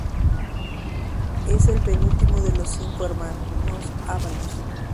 Es el penúltimo de los cinco hermanos Ábalos.